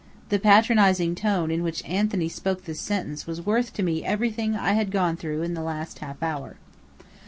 The patronizing tone in which Anthony spoke this sentence was worth to me everything I had gone through in the last half hour.